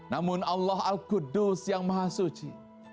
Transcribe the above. namun allah al kudus yang maha suci